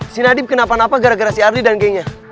si nadiem kenapa napa gara gara si ardi dan kayaknya